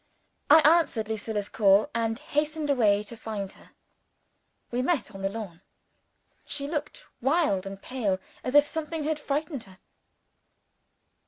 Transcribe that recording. I answered Lucilla's call, and hastened away to find her. We met on the lawn. She looked wild and pale, as if something had frightened her.